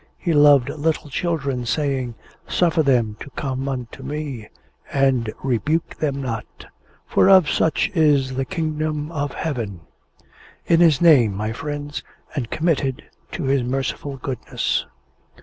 He loved little children, saying, Suffer them to come unto Me and rebuke them not, for of such is the kingdom of heaven. In His name, my friends, and committed to His merciful goodness!"